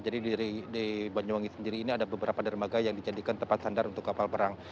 jadi di banyuwangi sendiri ini ada beberapa nermaga yang dijadikan tempat sandar untuk kapal perang